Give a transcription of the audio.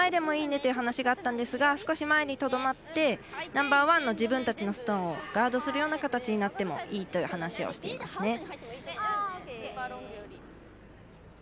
だけど前でもいいねという話があったんですが少し前にとどまってナンバーワンの自分たちのストーンをガードするような形になってもいいという話をしていますね。